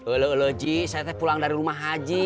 uloh lo ji saya pulang dari rumah haji